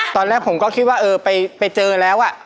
ตอนแรกผมก็คิดว่าเออไปเจอแล้ว